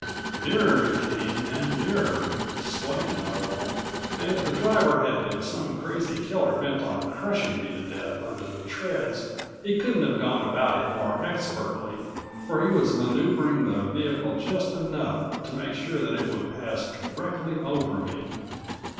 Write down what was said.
Nearer it came and nearer, swaying a little, and if the driver had been some crazy killer bent on crushing me to death under the treads he couldn't have gone about it more expertly, for he was maneuvering the vehicle just enough to make sure that it would pass directly over me.